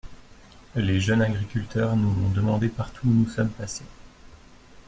Les jeunes agriculteurs nous l’ont demandé partout où nous sommes passés.